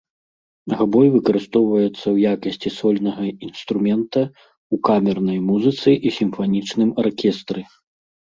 Габой выкарыстоўваецца ў якасці сольнага інструмента, у камернай музыцы і сімфанічным аркестры.